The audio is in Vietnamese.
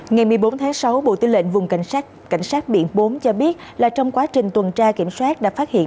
ngày một mươi bốn sáu bộ tư lệnh vùng cảnh sát biển bốn cho biết là trong quá trình tuần tra kiểm soát đã phát hiện